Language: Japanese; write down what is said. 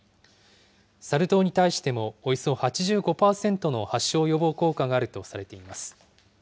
サル痘に対しても、およそ８５％の発症予防効果があるとされています。